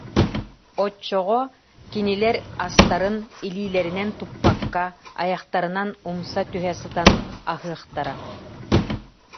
Оччоҕо кинилэр астарын илиилэринэн туппакка, айахтарынан умса түһэ сытан аһыахтара